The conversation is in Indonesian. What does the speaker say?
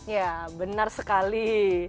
ya benar sekali